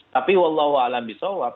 tapi wallahualam bisawab